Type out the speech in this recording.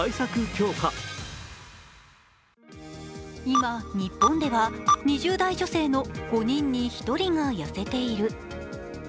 今、日本では２０代女性の５人に１人が痩せている。